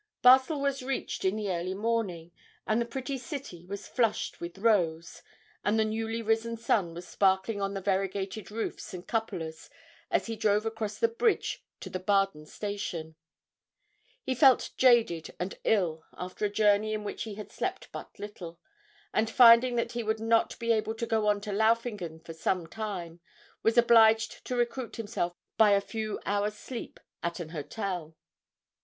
Basle was reached in the early morning, and the pretty city was flushed with rose, and the newly risen sun was sparkling on the variegated roofs and cupolas as he drove across the bridge to the Baden station. He felt jaded and ill after a journey in which he had slept but little, and, finding that he would not be able to go on to Laufingen for some time, was obliged to recruit himself by a few hours' sleep at an hotel.